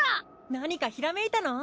何かひらめいたの？